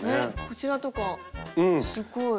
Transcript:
こちらとかすっごい。